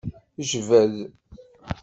Jbed.